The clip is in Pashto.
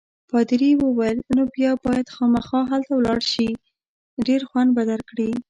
پادري وویل: نو بیا باید خامخا هلته ولاړ شې، ډېر خوند به درکړي.